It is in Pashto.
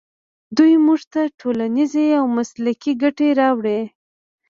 دوی موږ ته ټولنیزې او مسلکي ګټې راوړي.